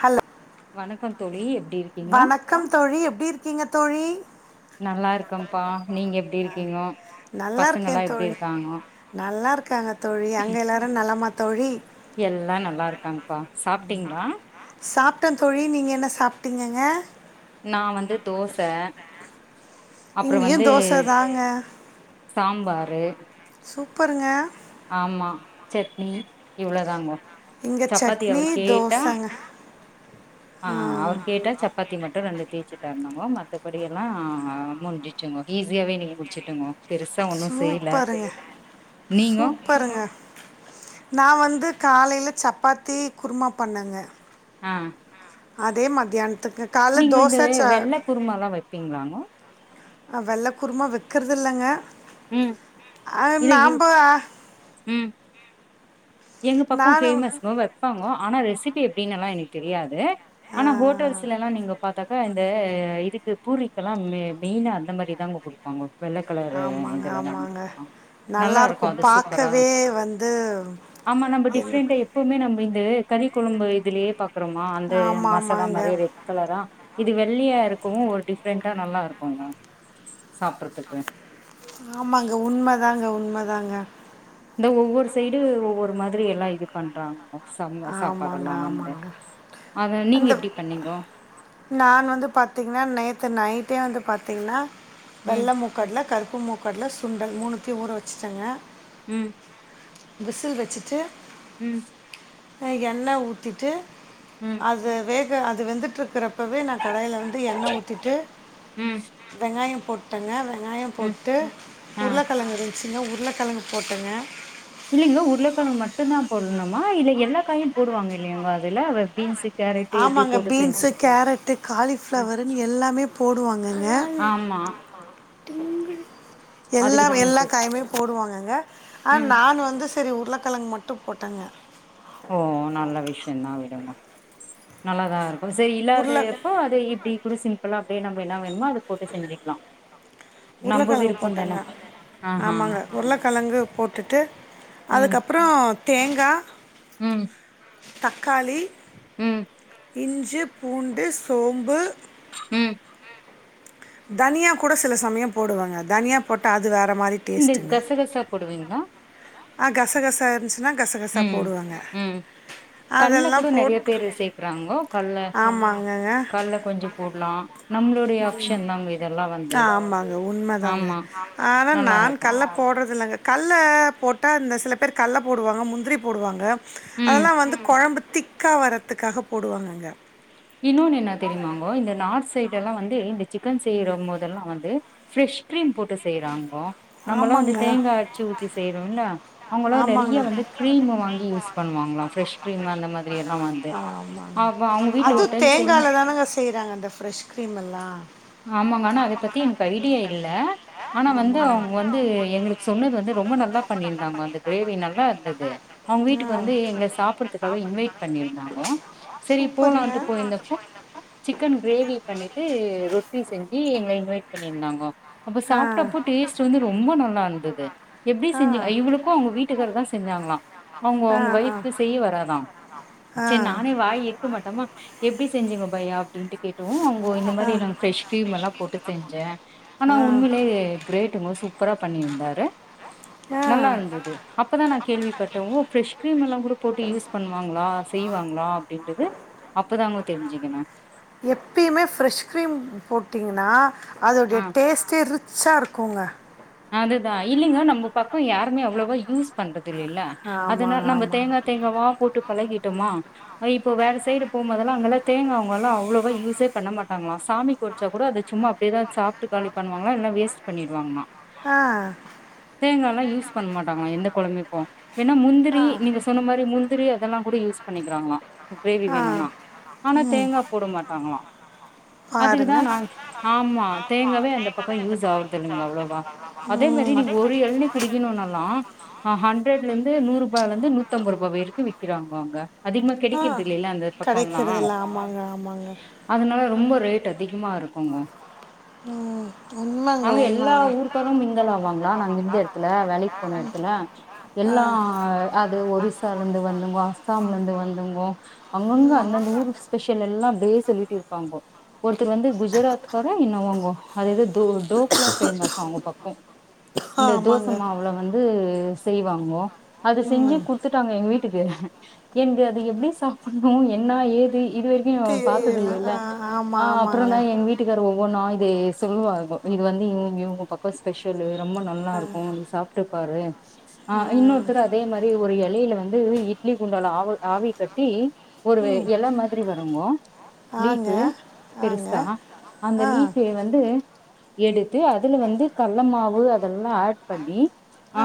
ஹல்ல வணக்கம் தோழி எப் வணக்கம் தோழி எப்டி இருக்கீங்க தோழி நல்லா இருக்கேன்ப்பா நீங்க எப்டி இருக்கீங்கோ நல்லா இருக்கே பசங்கல்லா எப்டி தோழி இருக்காங்கோ நல்லா இருக்காங்க தோழி அங்க எல்லாரு நல்மா தோழி எல்லா நல்லா இருக்காங்ப்பா சாப்டீங்களா டன் தோழி நீங்க என்ன சாப் ட்டிங்கங்க நா வந்து தோச அப்புறோ இங்கயு வந்து தோச தாங்க ரே சூப்பருங்க ஆமா சட்னி இவ்ளோதாங்கோ இங்கே சப்பாத்தி சட்னி அவர் கேட்டா தோசைங்க ஆ அவர் கேட்டா சப்பாத்தி மட்டு ரெண்டு தேய்ச்சு தரணுமோ மத்தபடி எல்லா ஆ முடிஞ்சுச்சுங்கோ ஈஸியாவே நீங்க முடிச்சுட்டுங்கோ பெருசா ஒன்னு செய்லே நீங்க ப்பருங்க நா வந்து காலையில சப்பாத்தி குருமா பண்ணேங்க ஆ அதே மத்தியான் நீங்க இந்த வெ வெள்ளே குருமலா வெப்பீங்களாங்கோ வெள்ள குருமா வெக்கிறதில்லேங்க ம் ஆ இல்ல இ நாம்பா ம் எங்க பக்கோ பேமஸ்ங்கோ வெப்பாங்கோ ஆனா ரெசிபி எப்டின்னு எல்லா எனக்கு தெரியாது ஆ ஆனா ஹோட்டல்ஸ்ல எல்லா நீங்க பாத்த த இந்த இதுக்கு பூரிக்கெல்லா மெ மெய்னா அந்த மாரி தாங்க கொடுப்பாங்க வெள்ளே கலரு ஆமாங்க இதுல தாங்க ஆமாங்க குடுப்பாங்க நல்லா இருக்கு இருக்கும் அது சூப்பரா பாக்கவே வந்து என் நம் இந்த கறி கொழம்பு இதிலேயே பா க்கறோமா அந்த ஆமா மசாலா ஆமாங்க மாதிர ரெட் கலரா இது வெள்ளியா இருக்கவும் ஒரு டிஃப்ரெண்டா நல்லா இருக்கோங்க சாப்பறதுக்கு ஆமாங்க உண்மைதாங்க உண்மைதான் தாங்க இந்த ஒவ்வொரு சைடு ஒவ்வொரு மாதிரி எல்லாம் இது பண்றாங்க சம் ஆமாங்க சாப்பாடெல்லா வந்து ஆமாங்க அத நீங்க அந்த எப்டி பண்ணீங்கோ நான் வந்து பாத்தீங்கன்னா நேத் து நைட்டே வந்து பார்த்தீங்கன்னா ம் வெல்ல முக்கடல க ப்பு மு க்கடல சுண்டல் மூனுத்தியும் ஊற வச் ச்சிட்டேங்க உம் விசில் வச்சிட்டு உம் அ எண்ணெய் ஊத்திட்டு ம் அது வே க அது வெந்துட்டு இருக் ற அப்பவே நான் கடாயில வந்து எண்ணெய் ஊத்திட்டு ம் வெங்காயம் போட்டேங்க வெ ங்காயம் ம் போட்டு ஆ உருளைக்கிழங்கு ரெண் சின்ன உருளைக்கிழங்கு போட்டேங்க இல்லைங்க உருளைக்கிழங்கு மட்டும் தான் போடணுமா இல்ல எல்லா காயும் கேரட்டு இப்டி ஆமாங்க போட்டு செஞ் பீன்ஸு கேரட்டு் அ காலிஃபிளவருன்னு எல்லாமே போடுவாங்க அதுல ஆமா த [inaudible] எல்லாம் அதுக்குதாங்க எல்லா கேட்டே காயுமே போடுவாங்க ஆஹ் ம் நான வந்து சரி உருள கிழங்கு மட்டும் போட்டாங்க விஷயன் தான் விடுங்க நல்லாதான் இருக்கும் செரி உருளை இல்லாதப்போ அது இப்படி கூட சிம்பிளா [unintelligible] நம்பினா நம்ப உருளைக்கெழங்கு போட்டாங்க விருப்பந்தான ஆஹா ஆமாங்க உருளைக்கெழங்கு போட்டுட்டு அதுக்கப்புறம் தேங்கா உம் தக்காளி இஞ்சு பூண் சோம்பு உம் தனியா கூட சில சமயம் போடுவாங்க தனியா போட்ட அது வேற இந்த கச கசா போடுவீங்களா ஆ கச கசா இருந்துச்சு உம் உம் கல்ல கூட அதெல்லாம் நெறைய போட் பேரு சேர்க்கறாங்கோ கல்ல ஆமாங்கங்க கல்ல கொஞ்சம் போடலாம் ஆமாங்க உண்மைதாங்க ஆமா ஆனா நல்லா நான் இருக்கு கல்ல போடுறது இல்லங்க கல்ல போட்டா இந்த சில பேர் கல்ல போடுவாங்க முந்திரி போடுவாங்க ம் அதெல்லாம் வந்து குழம்பு திக்கா வர்ரதுக்காக போடுவாங்கங்க இன்னோன்னு என்ன தெரியுமாங்கோ இந்த நார்த் சைட் எல்லாம் வந்து இந்த சிக்கன் செய்யற போதெல்லாம் வந்து ப்ரெஷ் கிரீம் போட்டு செய்யறாங்க நம்மல்லாம் வந்து ஆமாங்க தேங்காய் அறச்சு ஊத்தி செய்யறோம் இல்ல அவங்களாம் நிறைய ஆமாங்க வந்து கிரீம்மை வாங்கி யூஸ் பண்ணுவாங்களாம் ஃப்ரெஷ் கிரீம் அந்த மாதிரி எல்லாம் வந்து அ அவங்க வீடல தேங்கால தானங்க செய்யறாங்க அந்த ப்ரெஷ் கிரீம் எல்லாம் ஆமாங்க. ஆனா அத பத்தி எனக்கு ஐடியா இல்ல. ஆனா வந்து ஆமாங்க அவங்க வந்து எங்களுக்கு சொன்னது வந்து ரொம்ப நல்லா பண்ணிருந்தாங்க அந்த கிரேவி நல்லா இருந்தது அவுங்க வீட்டுக்கு ஆ வந்து எங்களை சாப்படுறதுக்காக இன்வைட் பண்ணிருந்தாங்க சரி சூப்பருங்க போலாம்ட்டு சிக்கன் கிரேவி பண்ணிட்டு ரொட்டி செஞ்சு எங்களை இன்வைட் பண்ணியிருந்தாங்க அப்ப ஆ சாப்பிட்டப்போ டேஸ்ட் வந்து ரொம்ப நல்லா இருந்தது எப்படி ஆ செஞ்சு இவளுக்கும் அவங்க வீட்டுக்கார தான் செஞ்சாங்களாம் அவங்க ஆ உங்க ஆ ஒய்ஃபுக்கு செய்ய வராதான் ஆ செரி நானே வாய் இருக்க மாட்டமா ச எப்படி செஞ்சுங்க பையா அப்படின்ட்டு கேட்டோ அவங்க இந்த மாதிரி ப்ரெஷ் கிரீம் எல்லாம் போட்டு செஞ்சேன் ஆனா ஆ உண்மையிலே கிரேட் ரொம்ந சூப்பரா பண்ணியிருந்தாரு ஆ நல்லாருந்தது அப்பதான் நான் கேள்விப்பட்டே ஃப்ரெஷ் கிரீம் எல்லாம் கூட போட்டு யூஸ் பண்ணுவாங்களா செய்வாங்களா அப்படின்றது அப் போதாமோ தெரிஞ்சுக்கணே எப்பயுமே ஃப்ரெஷ் கிரீம் போட்டீங்கன்னா அதோடைய ஆ டேஸ்ட் இருக் ரிச்சா இருக்குங்கா அதுதா இல்லைங்க நம்ம பக்கம் யாருமே அவ்வளவா யூஸ் பண்றது ல்ல ஆமாங்க அதனால நம்ம ஆமாங்க தேங்காய் தேங்காவா போட்டு பழகிட்டோமா ஆ இப்ப வேற சைடு போம்போதல்லா அங்கலா தேங்கா அவங்க எல்லா அவ்வளவா யூஸே பண்ண மாட்டாங்களா சாமிக்கு ஒடச்சா கூட அது சும்மா அப்டியே தா சாப்டு காலி பண்ணுவாங்களா இல்லா வேஸ்ட் பண்ணிடுவாங்களா ஆ தேங்கா எல்லா யூஸ் பண்ண மாட்டாங்களா எந்த கொழபிக்கு வேணா ஆ முந்திரி நீங்க சொன்ன மாரி முந் திரி அதெல்லா கூட யூஸ் பண்ணிக்கிறாங்களா கிரேவி ஆ வேணும்னா ஆனா தேங்காய் போட மாட்டாங்களா அதுக்கு தா பாருங்க நா ஆமா தேங்காவே அந்த பக்கோ யூஸ் ஆவறது இல்லைங்க அவ்வளோவா அதே மாரி ம் நீங்க ஒரு எழுனி குடிக்கணும்னாலு ஹ ஹண்ட்ரட்ல இருந்து நூறு ரூபாய்ல இருந்து நூத்தி ஐம்பது ரூபா வரைக்கு விக்கறாங்க அங்க க அதிகமா ஆ கெடைக்கிறது இல்லையில்ல அந்த பக்கோல்லா கிடைக்கிறதில்ல ஆமாங்க ஆமாங்க அதனால ரொம்ப ரேட் அதிகமா இருக்கு ம்ஹ் உம் உண்மங்க உண்மங்க அப்புறம் மிங்கள் ஆவாங்களா நாங்க இருந்த எடத்துல வேலைக்கு போன எடத்துல எல்லா ஆ அது ஒடிசால இருந்து வந்தவங்கோ அசாம்ல இருந்து வந்தவங்கோ அங்கங்க அந்தந்த ஊருக்கு ஸ்பெஷல் எல்லா அப்டியே சொல்லிட் டே இருப்பாங்கோ ஒருத்தர் வந்து குஜராத்கார என்னோவோங்க அது ஏதோ தோ டோக்லா பேம்ம அவங்க பக்கோ இந்த தோச ஆமாங்க மாவுல வந்து செய்வாங்கோ அத செஞ்சு ம் குடுத்துட்டாங்க எங்க வீட் க்கு என்க்கு அது எப்டி சாப்பிடணு என்னா ஏது இது வரைக்கு பாத்தது தெரியல இல்லல்ல ஆ ஆமா ஆஹ் அப்புறோ ஆமாங்க தா எங்க வீட்டுக்கார ஒவ்வொன்னா இதேஸ் சொல்லுவாகோ இது வந்து இவ்ங்க இவ்ங் அக்கா ஸ்பெஷலு ரொம்ப நல்லா இருக்கு நீ சாப்பிட்டு பாரு ஆ ஆஹ் இன்னொருத்தர் அதே மாரி ஒரு எலையில வந் வந்து இட்லி குண்டால ஆவ் ஆவி கட்டி ஒரு ம் எலை மாரி வருங்கோ ஆங்க லீஃப்பு ஆங்க பெருசா அந்த ஆ லீஃப்பே வந்து எடுத்து அதுல வந் து கல்ல மாவு அதெல்லா ஆட் பண்ணி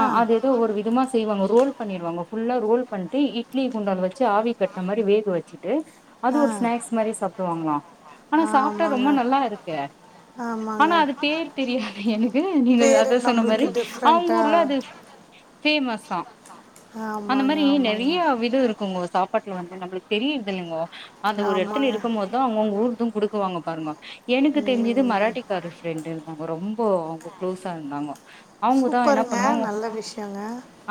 ஆ அது ஏதோ ஒரு விதமா செய்வாங்க ரோல் பண்ணிருவாங்க ஃபுல்லா ரோல் பண்ட்டு இட்லி குண்டால வச் ச்சு ஆவி கட்னமாரி வேக வச்சுட்டு அது ஆ ஒரு ஸ்னாக்ஸ் மாரியே சாப்டுவாங்ளா ஆனா சாப்ட்ட ஆமாங்க ரொம்ப நல்லா இருக்கு ஆமாங்க ஆனா அது பேரு தெரிய எனக்கு நீங்க பேரு அத சொன்ன நம்மளுக்கு மாரி அவுங்க டிஃப்ரெண்ட்டா ஊர்ல அது ஃபேமஸ்ஸா அந்த ஆமாங்க மாரி ஆமாங்க நெறைய விதம் இருக்கு உங்க சாப்பாட்டுல வந்து நம்மளுக்கு தெரிய ல்லைங்கோ அந்த ஒரு இடத்துல ஆமாங்க இருக்கு போதுதான் அவங்கவுங்க ஊரு தும் குடுக்குவாங்க பாருங்க எனக்கு தெரிஞ்சது ம் மராட்டி கார ஃபிரன்டுருந்தாங்க ரொம்ப அப்போ அவங்க குளோஸ்ஸா இருந்தாங்க அவுங்கதான் என்ன சூப்பருங்க பண்ணுவாங்க நல்ல விஷயங்க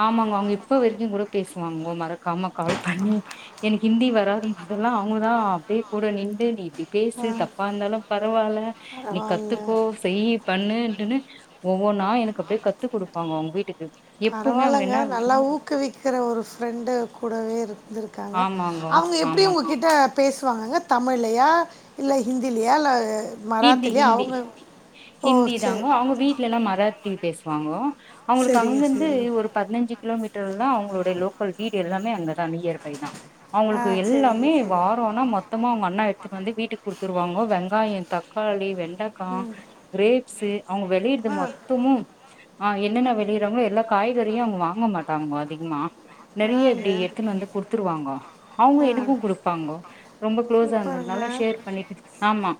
ஆமாங்க அவங்க இப்ப வரைக்கு கூட பேசி வாங்கோ மறக்காம கால் பண்ணி எனக்கு ஹிந்தி வராது முதெல்லா அவுங்க தான் அப்டியே கூட நின்டு நீ நீ பேசு ஆ தப்பா இருந்தாலு பரவால்ல நீ பரவால்ல கத்துக்கோ செய் ன்ட்டுனு ஒவ்வொன்னா எனக்கு அப்டியே கத்து கொடுப்பாங்க அவுங்க வீட்டுக்கு எப்பவுமே அவங்க பரவால்லங்க என்ன நல்லா ஊக்குவிக்கிற ஒரு ஃப்ரெண்டு கூடவே இருக் ருந்துருகாங்க ஆமாங்க. அவுங்க எப்படி ஆமா. உங்ககிட்ட பேசுவாங்கங்க தமிழ்லையா இல்ல ஹிந்திலயா இல்ல ஹிந்தி மராத்திலயா? ஹிந்தி அவங்க ஓ! ஹிந்தி சரி. தாங்கோ அவுங்க வீட்டுல எல்லாம் மராத் தி பேசுவாங்கோ அவுங்களுக்கு சரிங்க, அங்கிருந்து சரிங்க. ஒரு பதினஞ்சு கிலோமீட்ட அவுங்களுடைய லோக்கல் வீ் எல்லாமே அங்கதான் நீயர்பை தா ஆ அவுங்களுக்கு சரிங்க, எல்லாமே சரி. வாரோன்னா மொத்தமா அவுங்க அண்ணா எடுத்துட் வந்து வீட்டுக் குடுத்து த்ருவாங்கோ வெங்காயோ தக் காளி வென் டக்க ம். கிரேப்ஸு அவுங்க வேலையிறது ஆ. மொத்தமு ஆஹ் என்னன்ன வேளையிராகளோ எல்லா காய்கறியு அவுங்க வாங்க மாட்டாங்கோ அதிகமா நெறைய ஆங்க. இப்டி எடுத்துன்னு வந்து குடுத்துருவாங்கோ அவுங்க ஆ. எனக்கு குடுப்பாங்கோ ரொம்ப க்குளோஸா சூப்பருங்க. இருந்ததுனால ஷேர் பண்ணிட்டு ஆமா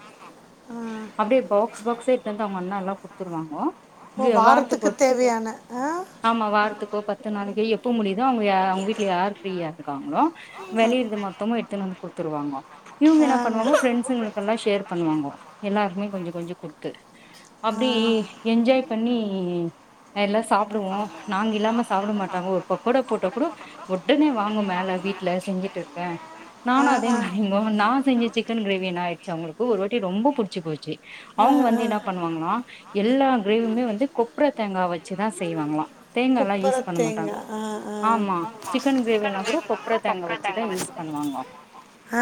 ஆ. அப்டியே பாக்ஸ் பாக்ஸ்யே எட்டாந்த அவுங்கன்னா எல்லா குத்துருவாங்கோ ஓ! வார்த்துக் வாரத்துக்கு ஒரு டிப் தேவையான ஆ. ஆமா வாரத்துக்கோ பத்து நாளைக்கே எப்போ முடியுதோ அவுங்க அவுங்க வீட்டுல யாரு ஃப்ரீயா இருக்காங்களோ வெளையுறது மொத்தமு எடுத்துன்னு வந்து குடுத்துருவாங்கோ இவுங்க என்ன ஆங்க. பண்ணுவாங்கோ பிஃரெண்ட்ஸுங்களுக்குல்லா ஷேர் பண்ணுவாங்கோ எல்லாருக்மே கொஞ்ச கொஞ்ச கொடுத்து ஆ. அப்டி என்ஜாய் பண்ணி எல்லாம் சாப்பிடுவோம் நாங்க இல்லாம சாப்பிட மாட்டாங்க ஒரு பக்கோடா போட்ட கூட உடனே வாங்க மேல வீட்டுல செஞ்சிட்டு இருக்கேன் ஆ, நானும் அதே ஆ. மாரி நான் செஞ்ச சிக்கன் கிரேவி என்ன ஆயிடுச்சு அவங்களுக்கு ஒரு வாட்டி ரொம்ப புடி சுபோச் சி ஆ, அவங்க ஆ. வந்து என்ன பண்ணுவாங்களாம் எல்லா கிரேவியுமே வந்து கொப்ர தேங்கா வச்சுதான் செய்வாங்களாம் தேங்காய் எல்லாம் கொப்பர யூஸ் பண்ண மாட்டாங்க தேங்கா. ஆ, ஆ. ஆமா சிக்கன் கிரேவி எல்லாம் கூட கொப்ரை தேங்காய் வச்சுதான் யூஸ் பண்ணுவாங்க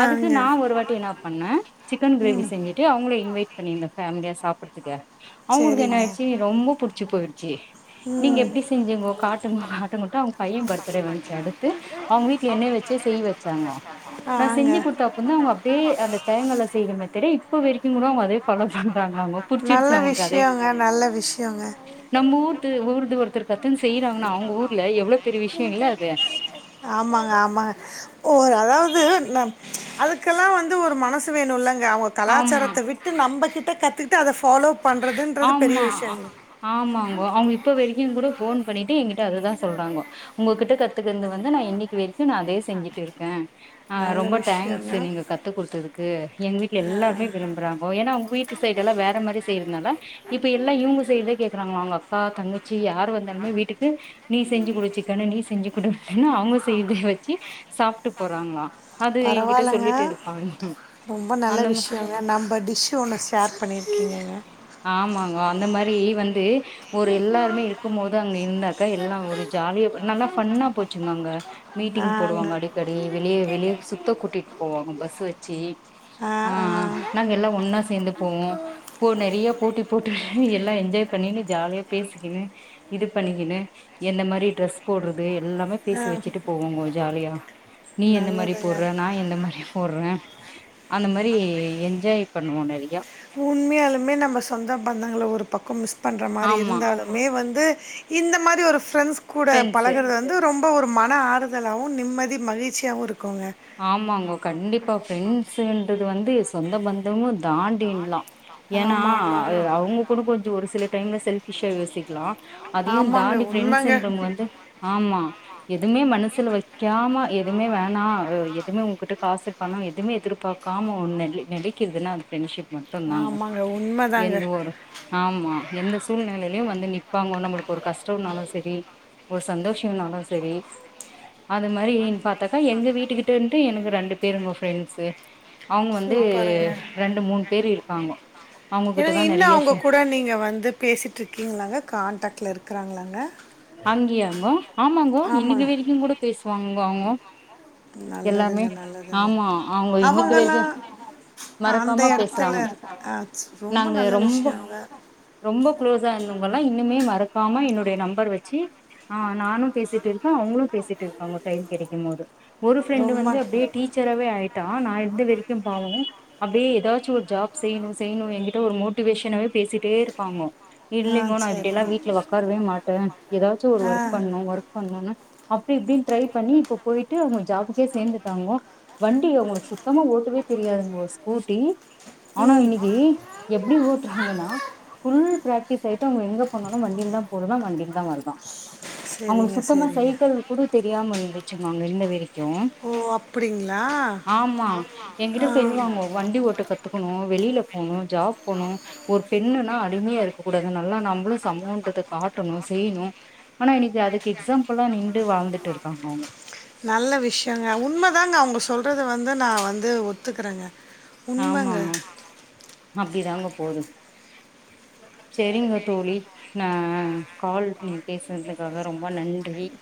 அதுக்கு ஆங்க. நான் ஒரு வாட்டி என்ன பண்ணேன் சிக்கன் கிரேவி ம். செஞ்சுட்டு அவங்களே வெயிட் பண்ணி இருந்த ஃபேமிலியா சாப்ட் படுத்துக்க அவங்களுக்கு என்ன சரிங்க ஆயிடுச்சு ரொம்ப புடிச்சு போயிரு ஜெ நீங்க ம் எப்படி செஞ்சுங்கோ காட்டுங்கோ காட்டுங்கோட்டுனு அவங்க பையன் பர்த்டே வந்துச்சு அடுத்து அவங்க வீட்டுல என்னய வச்சே செய்ய வச்சாங்கோ நான் வாங்க செஞ்சு கொடுத்த அப்றம் தான் அவங்க அப்படியே அந்த தேங்கல செய்யற மெத்தேட இப்போ வரைக்கும் நல்ல அவங்களுக்கு அதே விஷயங்க நல்ல விஷயங்க நம்ம ஊர்து ஊர்து ஒருத்தர் கத்தின்னு செய்யறாங்க அவங்க ஊர்ல எவ்வளவு ஆமாங்க ஆமாங்க ஓ அதாவது ந அதுக்கெல்லாம் வந்து ஒரு மனசு வேணுல்ல அவங்க ஆமா கலாச்சாரத்தை விட்டு நம்பகிட்ட கத்துக்கிட்டு அதை ஃபாலோ பண்ணுறதுன்றது பெரிய ஆமா ஆ விஷயங்க ஆமாங்கோ அவங்க இப்ப வரைக்கும் கூட ஃபோன் பண்ணிட்டு எங்கிட்ட அததான் சொல்றாங்கோ உங்ககிட்ட கத்துக்கந்து வந்து நான் இன்னைக்கு வரைக்கும் நான் அதே செஞ்சுட்டு இருக்கேன் ஆஹ் நல்ல ரொம்ப தேங்க்ஸ் விஷயங்க நீங்க கத்து கொடுத்ததுக்கு எங்க வீட்டுல எல்லாருமே விரும்புறாங்கோ ஏன்னா உங்க வீட்டு சைடு எல்லாம் வேற மாரி செய்யறனால இப்ப எல்லாம் இவங்க செய்தே கேக்குறாங்களா அவங்க அக்கா தங்கச்சி யார் வந்தாலுமே வீட்டுக்கு நீ செஞ்சி குடு சிக்கனு நீ செஞ்சி குடு அப்டின்னு அவங்க செய்றது வச்சி சாப்டு போறாங்களா அது என்கிட்ட பரவாயில்லைங்க சொல்லிட்டு இருப்பாங்க ரொம்ப நல்ல அந்த மா விஷயங்க நம்ம டிஷ் ஒன்று ஷேர் பண்ணியிருக்கீங்கங்க ஆமாங்க அந்த மாரி வந்து ஒரு எல்லாருமே இருக்கும் போது அங்க இருந்தாக்கா எல்லாம் ஒரு ஜாலியா நல்லா ஃபன்னா போச்சுங்க அங்க மீட்டிங் ஆங்க போடுவாங்க அடிக்கடி வெளியே வெளியே சுத்த கூட்டிட்டு போவாங்க பஸ் வச்சு ஆ ஆ ஆஹ் நாங்க எல்லாம் ஒன்னா சேந்து போவோம் போன போட்டி போட்டு எல்லாம் என்ஜாய் பண்ணின்னு ஜாலியாக பேசிக்கின்னு இது பண்ணிக்கனு என்ன மாதிரி ட்ரெஸ் போடுறது எல்லாமே ஆ பேசி வச்சுட்டு போவோங்கோ ஜாலியா நீ எந்த மாதிரி நல்லதுங்க போடுற நான் என்ன மாரி போடுறேன் அந்த மாரி என்ஜாய் பண்ணுவோம் நெறைய உண்மையாலுமே நம்ம சொந்தம் பந்தங்கள ஒரு பக்கம் மிஸ் பண்ணுற மாரி ஆமா இருந்தாலுமே வந்து இந்த மாரி ஒரு ஃப்ரெண்ட்ஸ் கூட ஃப்ரெண்ட்ஸ் பழகுறது வந்து ரொம்ப ஒரு மன ஆறுதலாகவும் நிம்மதி மகிழ்ச்சியாகவும் இருக்கும் ஆமாங்க கண்டிப்பா பிரண்ட்ஸ் து வந்து சொந்த பந்தமும் தாண்டின்லாம் ஏன்னா ஆமாம் ஆமாங்க அவங்க கூட கொஞ்சம் ஒரு சில டைம்ல செல் ஃபிஷ்ஷ யேசிக்லா அதையும் ஆமாங்க தாண்டி உண்மைங்க பிரெண்டஸ்ன்றவங்க வந்து ஆமா எதுவுமே மனசுல வச் கியாமா எதுமே வேணா இப்ப எதுமே உங்கிட்ட காசு பணம் எதுமே எதிர்பாக்காம ஒன்னு நி நிலைக்குதுன்ன அது ஃப்ரெண்ட்ஷிப் மட்டுதாங்க ஆமாங்க உண்மைதாங்க எந்த ஒரு ஆமா எந்த சூழ்நிலையிலயும் வந்து நிற்பாங்க நம்மளுக்கு ஒரு கஷ்டம்னாலும் சரி ஒரு சந்தோஷம்னாலும் சரி அது மாரி டாக்கா எங்க வீட்டுக்கு எனக்கு ரெண்டு பேருங்கோ ஃப்ரெண்ட்ஸு அவங்க வந்து சூப்பருங்க ரெண்டு மூணு பேர் இருக்காங்கோ அவங்ககிட்ட இன்னு தா இன்னு நெறைய அவ்ங்க ஷே கூட நீங்க வந்து பேசிட்ருக்கீங்களாங்க கான்டாக்ட்ல இரு குறாங்களாங்க அங்கியாங்கோ ஆமாங்கோ இன்னைக்கு ஆமாங்க வரைக்கும் கூட பேசுவாங்கங்கோ அவங்கோ எல்லருாமே நல்லதுங்க நல்லதுங்க ஆமா அவங்க இன்னைக்கு அவங்கெல்லாம் வரைக்கும் ஆ, அந்த மறக்காம இடத்துல பேசுறாங்க ஆ, ச- ரொம்ப நாங்க நல்ல விஷயங்க ரொம்ப க்ளோஸா இருந்தவங்கல்லாம் இன்னமே மறக்க காம என்னோடைய நம்பர் வச் சி ஆ நானு பேசிட்ருக்க அவுங்களு பேசிட்டு இருக்காங்கோ டைம் கெடைக்கும் மோது ஒரு ஃப்ரெண்டு ரொம்ப வந்து அப்படியே டீச்சராகவே ஆயிட்டா ஆ நா எந்த வரைக்கும் பாவொ அப்டியே ஏதாச்சு ஒரு ஜாப் செய்ணு செய்ணு எங்கிட்ட ஒரு மோட்டிவேஷனாவவே பேசிட்டே இருப்பாங்கோ ஆ இல்லிங்கோ நா இப்டில்லா வீட்ல சரிங்க ஒக்காரவே மாட்ட ஏதாச்சும் ஒரு ஆ ஒர்க் பண்ணும் ஒர்க் பண்ணலன்னா அப்டி இப்டின் ட்ரை பண்ணி இப்ப போயிட்டு அவுங்க ஜாபுக்கே சேந்துட்டாங்கோ வண்டி அவ்ங்களுக்கு சுத்தமா ஓட்டுவே தெரியாதுங்கோ ஸ்கூட்டி ஆனா ம் இன்னக்கி எப்டி ஓட்றாங்கன்னா ஃபுல் ப்ராக்டிஸ் ஆயிட்டு அவ்ங்க எங்க போணாலு வண்டிலதா போறதா வண்டி தா வருதா அவ்ங்களுக்கு சரிங்க சுத்தமா சரிங்க சைக்கெள் கூட தெரியாம இருந்து சிமா அங்கருந்த வரை க்கு ஓ அப்படிங்களா ஆமா எங்கிட்ட ஆ சொல்வாங்கோ வண்டி ஓட்ட கத்துக்கணு வெளியில போணு ஜாப் போனு ஒரு பெண்ணுன்னா அடிமையா இருக்கக் கூடாது நல்லா நம்ப்ளு சமோன்றத காட்டணு னு ஆனா இன்னைக்கி அதுக்கு எக்ஸாம்பில்லா நின் நல்ல விஷயங்க உண்மதாங்க அவங்க சொ சொல்றத வந்து நா வந்து ஒத்துக்குறேங்க ஆமா ஆமா அப்படித்தாங்கோ போதும் சரிங்க தோழி நா கால் நீங்க பேசுறதுக்காக ரொம்ப நன்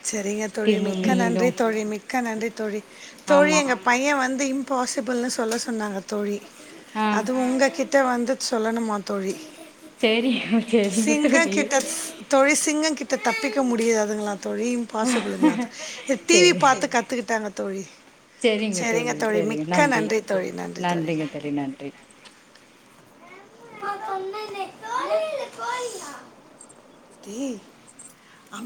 சரிங்க தோழி மிக்க நன்றி தோழி மிக்க நன்றி தோழி தோழி ஆமா எங்க பையன் வந்து பாசிபிள்னு சொல்ல சொன்னாங்க தோழி ஆ அது உங்க கிட்ட வந்து சொல்லனுமா தோழி சேரி சேரிங்க சிங்க தோழி கிட்டா தேழி சிங்க கிட்ட த தப்பிக்க முடியாதுங்களா தோழி இம்பாசிபிளுங்கலா டிவி பாத்து கத்துக்கிட்டாங்க தோழி சரிங்க தோழி சரிங்க நன்றி நன்றிங்க தோழி நன்றி டேய் அமை